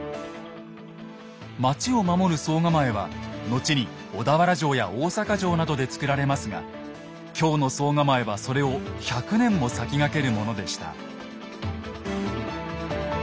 町を守る惣構は後に小田原城や大坂城などで造られますが京の惣構はそれを１００年も先駆けるものでした。